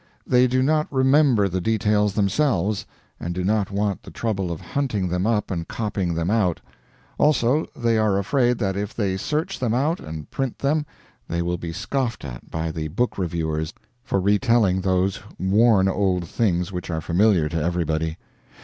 They do not remember the details themselves, and do not want the trouble of hunting them up and copying them out; also, they are afraid that if they search them out and print them they will be scoffed at by the book reviewers for retelling those worn old things which are familiar to everybody.